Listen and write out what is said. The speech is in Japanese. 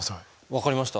分かりました。